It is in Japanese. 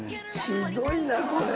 ひどいなこれ。